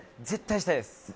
絶対したいです。